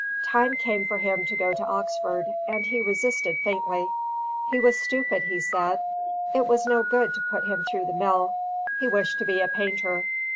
Time came for him to go to Oxford, and he resisted faintly. He was stupid, he said; it was no good to put him through the mill; he wished to be a painter.